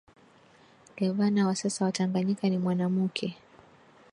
Gavana wa sasa wa tanganyika ni mwanamuke